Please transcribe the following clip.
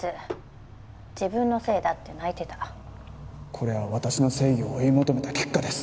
これは私の正義を追い求めた結果です。